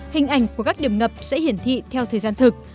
hình ảnh của các điểm ngập sẽ hiển thị theo thời gian thực